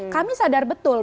kami sadar betul